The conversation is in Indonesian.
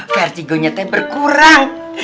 vertigo nya teh berkurang